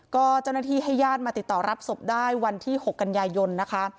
ก็เจ้านัทีให้ย่าธมาติดต่อรับศพได้วันที่๖กันยายยนต์นะคะ